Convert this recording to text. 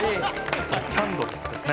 キャンドルですね。